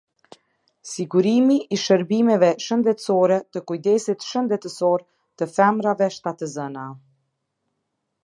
Sigurimi i shërbimeve shëndetësore të kujdesit shëndetësor të femrave shtatëzana.